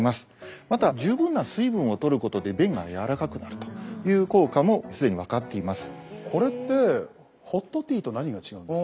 また十分な水分をとることで便がやわらかくなるという効果も既に分かっています。